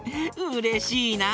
うれしいな！